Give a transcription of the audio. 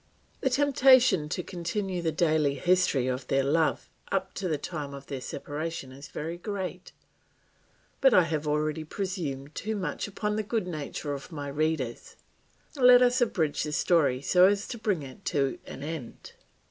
The temptation to continue the daily history of their love up to the time of their separation is very great; but I have already presumed too much upon the good nature of my readers; let us abridge the story so as to bring it to an end.